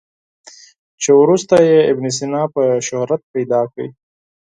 چې وروسته یې ابن سینا په شهرت پیدا کړ.